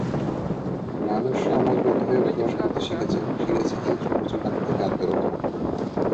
মানুষ সমাজ বদ্ধ হয়ে বসবাস করতে শিখেছে, শিখেছে হিংস্র পশুর হাত থেকে আত্ম রক্ষা।